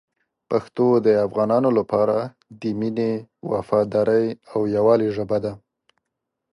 پښتو د افغانانو لپاره د مینې، وفادارۍ او یووالي ژبه ده.